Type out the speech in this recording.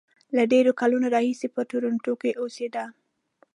له ډېرو کلونو راهیسې په ټورنټو کې اوسېد.